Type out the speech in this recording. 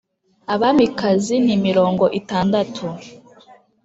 Abamikazi ni mirongo itandatu,